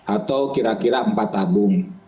atau kira kira empat tabung